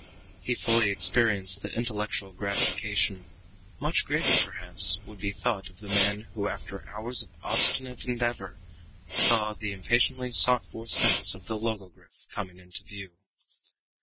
He fully experienced the intellectual gratification much greater than, perhaps, would be thought of the man who, after hours of obstinate endeavor, saw the impatiently sought for sense of the logogryph coming into view.